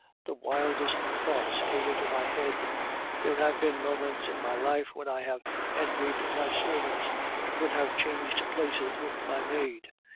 The wildest thoughts came into my head. There have been moments in my life when I have envied my servants, and would have changed places with my maid.